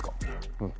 うん。